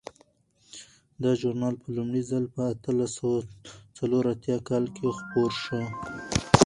دا ژورنال په لومړي ځل په اتلس سوه څلور اتیا کال کې خپور شو.